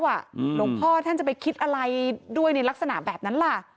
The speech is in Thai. หลวงพ่อท่านจะไปคิดอะไรด้วยในลักษณะแบบนั้นล่ะ